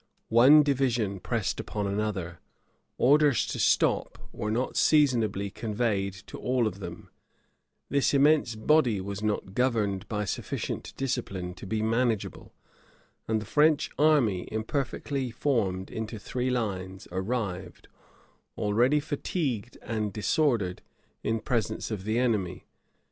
One division pressed upon another: orders to stop were not seasonably conveyed to all of them: this immense body was not governed by sufficient discipline to be manageable; and the French army, imperfectly formed into three lines, arrived, already fatigued and disordered, in presence of the enemy.